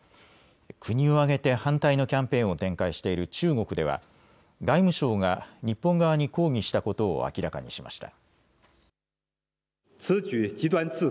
国を挙げて反対のキャンペーンを展開している中国では外務省が日本側に抗議したことを明らかにしました。